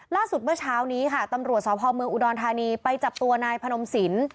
เมื่อเช้านี้ค่ะตำรวจสพเมืองอุดรธานีไปจับตัวนายพนมสิน